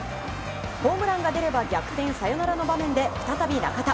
ホームランが出れば逆転サヨナラの場面で再び、中田。